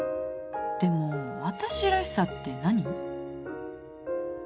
でも私らしさって何？